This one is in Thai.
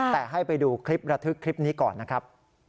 แต่ให้ไปดูคลิประทึกคลิปนี้ก่อนนะครับ